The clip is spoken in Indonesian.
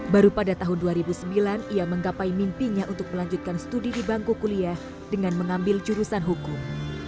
baru pada tahun dua ribu sembilan ia menggapai mimpinya untuk melanjutkan studi di bangku kuliah dengan mengambil jurusan hukum